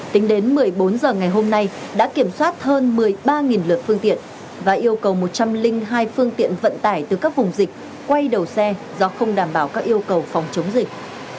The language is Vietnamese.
tính đến một mươi bốn h ngày hôm nay đã kiểm soát hơn một mươi ba lượt phương tiện và yêu cầu một trăm linh hai phương tiện vận tải từ các vùng dịch quay đầu xe do không đảm bảo các yêu cầu phòng chống dịch